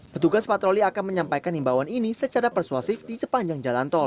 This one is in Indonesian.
petugas patroli akan menyampaikan himbawan ini secara persuasif di sepanjang jalan tol